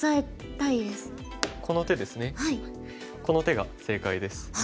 この手が正解です。